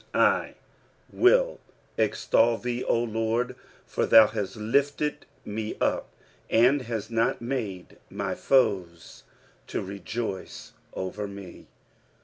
I WILL extol thee, O Lord ; for thou hast lifted me up, and hast not made my foes to rejoice over me.